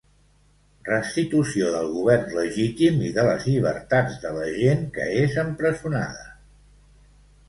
Restitució del govern legítim i de les llibertats de la gent que és empresonada.